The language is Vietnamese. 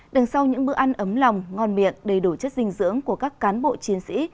đằng sau những bữa ăn ấm lòng ngon miệng đầy đủ chất dinh dưỡng của các cán bộ chiến sĩ